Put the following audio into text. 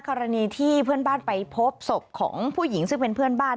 กรณีที่เพื่อนบ้านไปพบศพของผู้หญิงซึ่งเป็นเพื่อนบ้าน